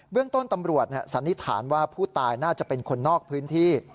เรื่องต้นตำรวจสันนิษฐานว่าผู้ตายน่าจะเป็นคนนอกพื้นที่